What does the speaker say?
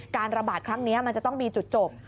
ระบาดครั้งนี้มันจะต้องมีจุดจบ